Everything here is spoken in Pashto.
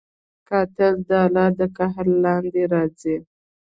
قاتل د الله د قهر لاندې راځي